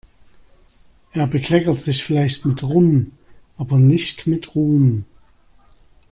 Er bekleckert sich vielleicht mit Rum, aber bestimmt nicht mit Ruhm.